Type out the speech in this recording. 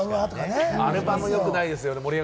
アルバム、よくないですよね。